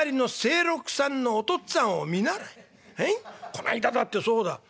こないだだってそうだ。